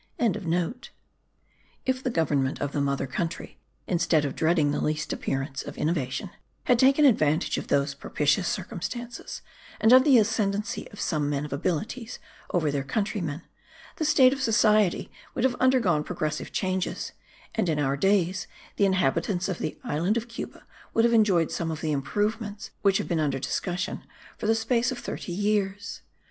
]) If the government of the mother country, instead of dreading the least appearance of innovation, had taken advantage of those propitious circumstances, and of the ascendancy of some men of abilities over their countrymen, the state of society would have undergone progressive changes; and in our days, the inhabitants of the island of Cuba would have enjoyed some of the improvements which have been under discussion for the space of thirty years.